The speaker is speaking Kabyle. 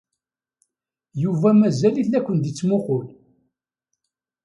Yuba mazal-it la ken-id-yettmuqqul.